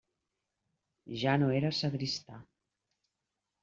Ja no era sagristà.